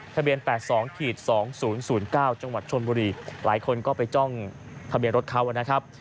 ทะเบียน๘๒๒๐๐๙จังหวัดชนบุรีหลายคนก็ไปจ้องทะเบียนรถเขานะครับ